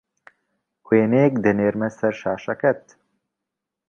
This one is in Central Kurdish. وێنەیەک دەنێرمه سەر شاشەکەت